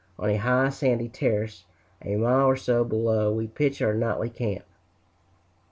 On a high sandy terrace, a mile or so below, we pitch our nightly camp.